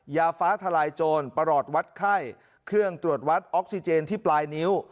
ยาฟ้าทลายโจรประหลอดวัดไข้เครื่องตรวจวัดออกซิเจนที่ปลายนิ้ว